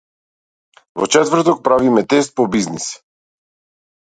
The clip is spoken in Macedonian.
Во четврок правиме тест по бизнис.